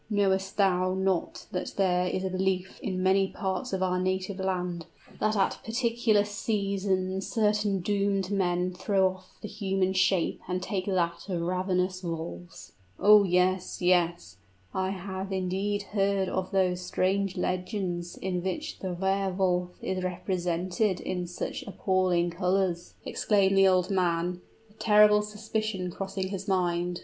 "Knowest thou not that there is a belief in many parts of our native land that at particular seasons certain doomed men throw off the human shape and take that of ravenous wolves?" "Oh, yes yes I have indeed heard of those strange legends in which the Wehr Wolf is represented in such appalling colors!" exclaimed the old man, a terrible suspicion crossing his mind.